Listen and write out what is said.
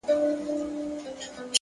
حقیقت خپله لاره مومي!